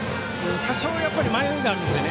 多少は迷いがあるんですよね。